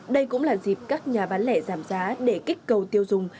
đây cũng là dịp các nhà bán lẻ giảm giá để kích cầu tiêu dùng